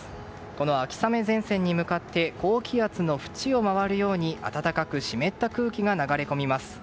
この秋雨前線に向かって高気圧のふちを回るように暖かく湿った空気が流れ込みます。